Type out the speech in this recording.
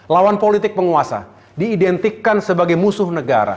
lawan politik penguasa diidentikkan sebagai musuh